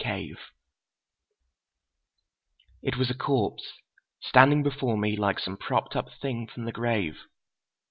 Cave It was a corpse, standing before me like some propped up thing from the grave.